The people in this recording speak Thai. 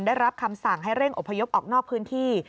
ได้รับคำสั่งให้เร่งอพยพออกนอกพื้นที่